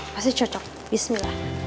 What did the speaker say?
pasti cocok bismillah